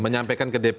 menyampaikan ke dpp